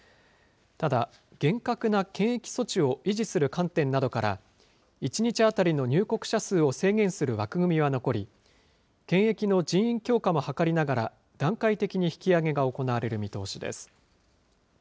ただ、厳格な検疫措置を維持する観点などから、１日当たりの入国者数を制限する枠組みは残り、検疫の人員強化も図りながら、段階的に引き上げが行われる見通しです。